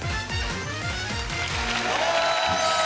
どうも。